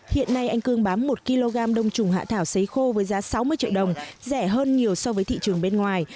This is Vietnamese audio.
hiện nay anh cương bám một kg đông trùng hạ thảo xấy khô với giá sáu mươi triệu đồng rẻ hơn nhiều so với thị trường bên ngoài